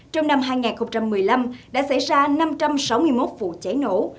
trong năm hai nghìn một mươi năm đã xảy ra năm trăm sáu mươi một vụ cháy nổ